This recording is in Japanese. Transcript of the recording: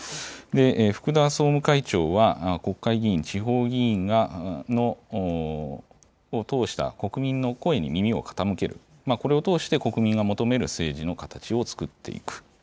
福田総務会長は国会議員、地方議員の通した国民の声に耳を傾けるこれを通して国民が求める政治の形をつくっていく。